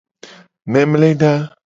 Memleda.